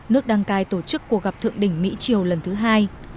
nước đăng cai tổ chức cuộc gặp thượng đỉnh mỹ triều lần thứ hai